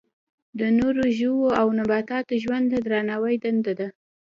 د نورو ژویو او نباتاتو ژوند ته درناوی دنده ده.